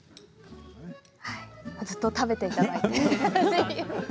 ずっと食べていただいていますね。